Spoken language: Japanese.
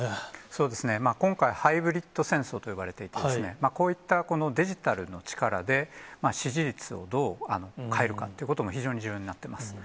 そうですね、今回、ハイブリッド戦争と呼ばれていて、こういったデジタルの力で、支持率をどう変えるかということも非常に重要になってます。